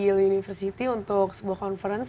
yale university untuk sebuah konferensi